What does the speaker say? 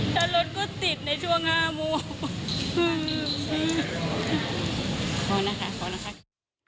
ถ้ารถก็ติดในช่วง๕โมง